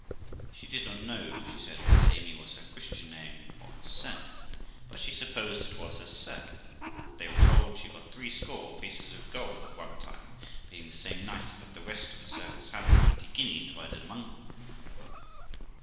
She did not know, she said, whether Amy was her Christian name or her surname, but she supposed it was her surname; that they were told she got threescore pieces of gold at one time, being the same night that the rest of the servants had the twenty guineas divided among them.